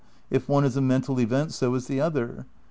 If one is a mental event so is the other.